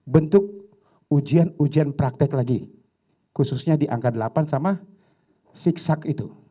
bentuk ujian ujian praktek lagi khususnya diangkat delapan sama sik sak itu